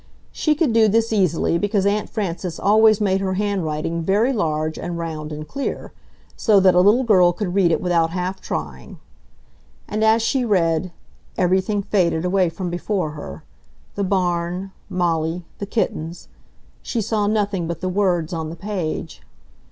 She could do this easily, because Aunt Frances always made her handwriting very large and round and clear, so that a little girl could read it without half trying. And as she read, everything faded away from before her ... the barn, Molly, the kittens ... she saw nothing but the words on the page.